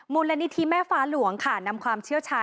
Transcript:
มูลนิธิแม่ฟ้าหลวงค่ะนำความเชี่ยวชาญ